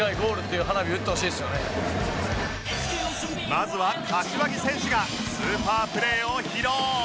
まずは柏木選手がスーパープレーを披露